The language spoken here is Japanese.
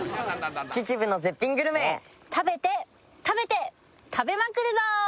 秩父の絶品グルメ食べて食べて食べまくるぞ！